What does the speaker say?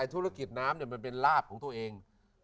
ธุรกิจน้ำมันเป็นลาบของตัวเอง